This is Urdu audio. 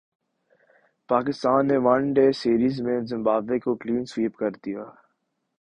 پاکستان نے ون ڈے سیریز میں زمبابوے کو کلین سوئپ کردیا